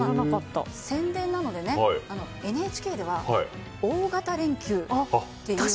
宣伝なのでＮＨＫでは大型連休って言うんです。